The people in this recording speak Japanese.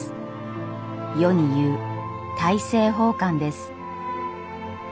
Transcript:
世に言う大政奉還です。